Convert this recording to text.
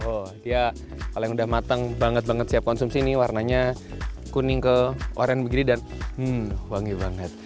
oh dia kalau yang udah matang banget banget siap konsumsi ini warnanya kuning ke orien begini dan wangi banget